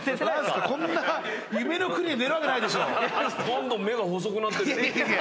どんどん目が細くなって。